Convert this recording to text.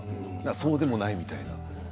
そうでもないみたいな。